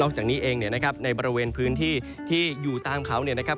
จากนี้เองเนี่ยนะครับในบริเวณพื้นที่ที่อยู่ตามเขาเนี่ยนะครับ